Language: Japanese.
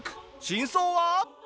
真相は？